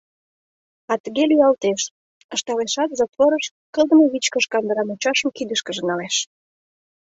А тыге лӱялтеш, — ышталешат, затворыш кылдыме вичкыж кандыра мучашым кидышкыже налеш.